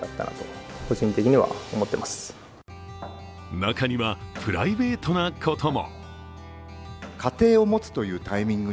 中にはプライベートなことも。